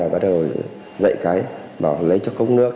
bắt đầu dạy cái bảo lấy cho cốc nước